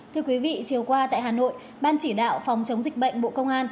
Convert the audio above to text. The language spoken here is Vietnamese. thưa quý vị chiều qua tại hà nội ban chỉ đạo phòng chống dịch bệnh bộ công an